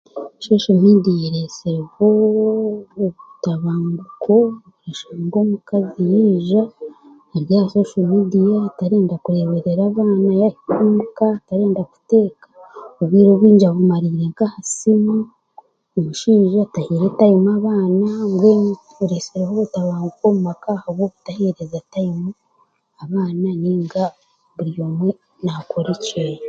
soso meediya ereesireho obutabanguko oshanga omukazi yaija tarenda kureebera abaana tareenda kuteeka yahika omuka obwire bwingi buri aha simu omushaija tahiire tayimu abaana mbwene kireesire obutabanguko omu maka obutaheereza tayimu abaana mbwenu buri omwe naakora ekyeye